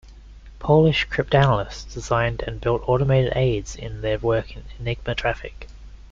Polish cryptanalysts designed and built automated aids in their work on Enigma traffic.